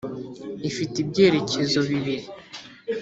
ifite ibyerekezo bibiri